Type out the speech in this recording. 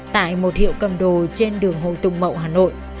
tại một hiệu cầm đồ trên đường hồ tùng mậu hà nội